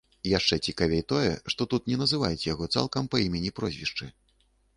Яшчэ цікавей тое, што тут не называюць яго цалкам па імені-прозвішчы.